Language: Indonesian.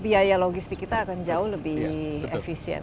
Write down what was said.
biaya logistik kita akan jauh lebih efisien